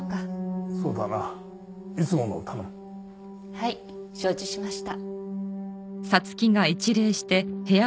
はい承知しました。